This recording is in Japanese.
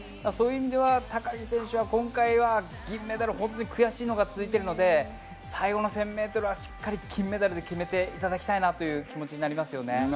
そういう意味では高木選手は今回は、銀メダル、本当に悔しいのが続いているので、最後の１０００メートルはしっかり金メダルで決めていただきたいなという気持ちになります。